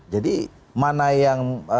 jadi mana yang